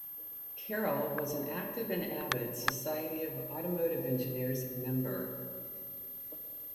Carroll was an active and avid Society of Automotive Engineers member.